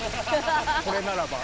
これならば。